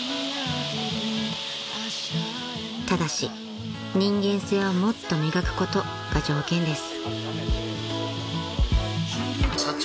［ただし人間性をもっと磨くことが条件です］